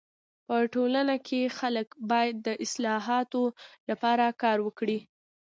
په ټولنه کي خلک باید د اصلاحاتو لپاره کار وکړي.